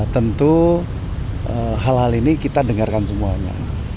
tentu hal hal ini kita dengarkan semuanya